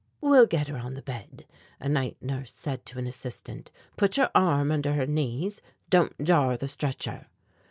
"We'll get her on the bed," a night nurse said to an assistant. "Put your arm under her knees. Don't jar the stretcher!"